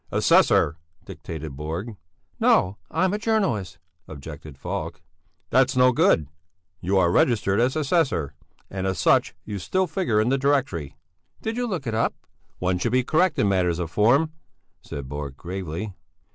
"Assessor," dictated Borg. "No, I'm a journalist," objected Falk. "That's no good; you are registered as assessor, and as such you still figure in the directory." "Did you look it up?" "One should be correct in matters of form," said Borg gravely.